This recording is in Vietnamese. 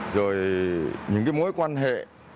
rồi những mối quan hệ